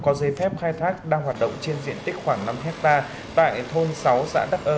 có giấy phép khai thác đang hoạt động trên diện tích khoảng năm hectare tại thôn sáu xã đắc ơ